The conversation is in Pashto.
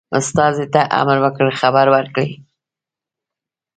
استازي ته امر وکړ خبر ورکړي.